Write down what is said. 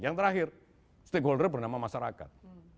yang terakhir stakeholder bernama masyarakat